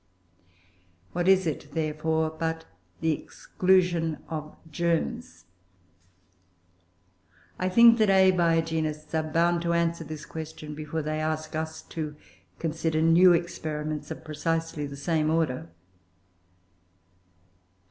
What is it, therefore, but the exclusion of germs? I think that Abiogenists are bound to answer this question before they ask us to consider new experiments of precisely the same order.